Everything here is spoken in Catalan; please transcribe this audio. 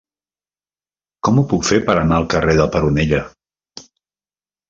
Com ho puc fer per anar al carrer de Peronella?